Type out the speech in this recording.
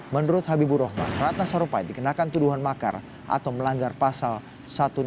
menurut habibur rahman ratna sarumpait dikenakan tuduhan makar atau melanggar pasal satu ratus enam puluh